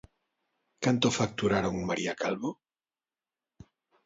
Canto facturaron, María Calvo?